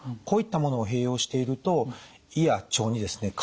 こういったものを併用していると胃や腸にですね